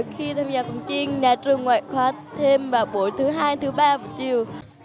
khi tham gia cổng chiêng nhà trường ngoại khóa thêm vào buổi thứ hai thứ ba buổi chiều